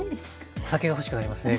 お酒が欲しくなりますね